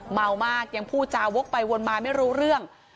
เมามากยังพูดจาวกไปวนมาไม่รู้เรื่อง